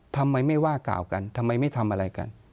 ทำไมไม่ว่ากล่าวกันทำไมไม่ทำอะไรกัน